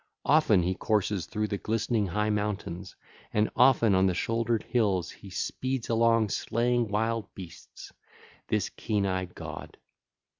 Often he courses through the glistening high mountains, and often on the shouldered hills he speeds along slaying wild beasts, this keen eyed god.